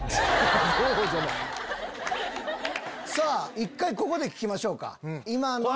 さぁ一回ここで聞きましょうか。